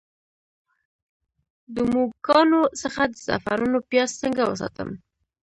د موږکانو څخه د زعفرانو پیاز څنګه وساتم؟